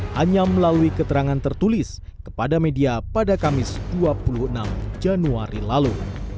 hanya melalui keterangan tertulis kepada media pada kamis dua puluh enam januari lalu